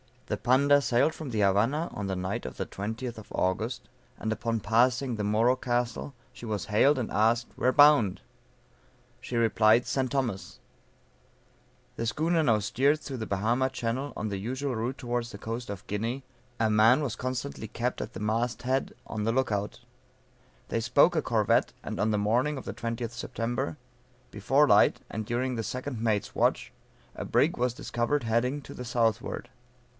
The Panda sailed from the Havana on the night of the 20th of August; and upon passing the Moro Castle, she was hailed, and asked, "where bound?" She replied, St. Thomas. The schooner now steered through the Bahama channel, on the usual route towards the coast of Guinea; a man was constantly kept at the mast head, on the lookout; they spoke a corvette, and on the morning of the 20th Sept., before light, and during the second mate's watch, a brig was discovered heading to the southward.